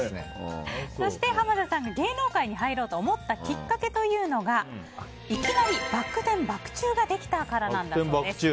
そして、濱田さんが芸能界に入ろうと思ったきっかけがいきなりバック転、バック宙ができたからなんだそうです。